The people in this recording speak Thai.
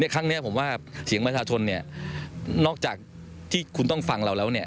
ครั้งนี้ผมว่าเสียงประชาชนเนี่ยนอกจากที่คุณต้องฟังเราแล้วเนี่ย